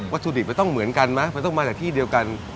ถุดิบมันต้องเหมือนกันไหมมันต้องมาจากที่เดียวกัน